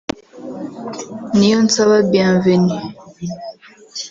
Niyonsaba Bienvenu